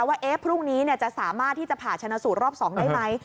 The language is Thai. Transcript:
ว่าพรุ่งนี้จะสามารถที่จะผ่าชนะสูตรรอบ๒ได้ไหม